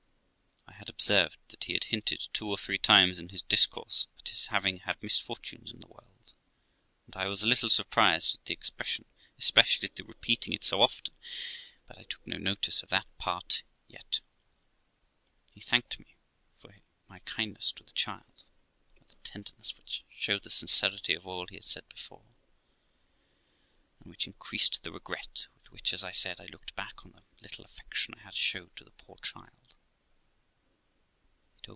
I had observed that he had hinted two or three times in his discourse, at his having had misfortunes in the world, and I was a little surprised at the expression, especially at the repeating it so often ; but I took no notice of that part yet. He thanked me for my kindness to the child with a tenderness which showed the sincerity of all he had said before, and which increased the regret with which, as I said, I looked back on the little affection I had showed to the poor child.